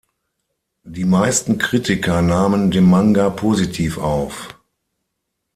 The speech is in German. Die meisten Kritiker nahmen den Manga positiv auf.